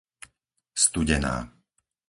Studená